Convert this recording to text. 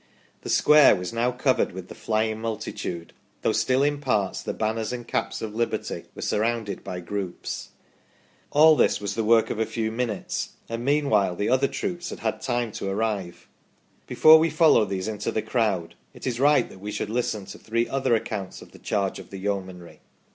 The square was now covered with the flying multitude, though still in parts the banners and caps of liberty were surrounded by groups." All this was the work of a few minutes, and meanwhile the other troops had had time to arrive. Before we follow these into the crowd, it is right that we should listen to three other accounts of the charge of the Yeomanry.